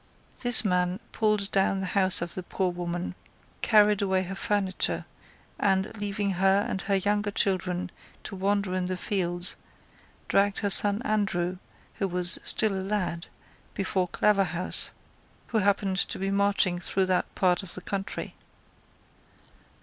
This man pulled down the house of the poor woman, carried away her furniture, and, leaving her and her younger children to wander in the fields, dragged her son Andrew, who was still a lad, before Claverhouse, who happened to be marching through that part of the country.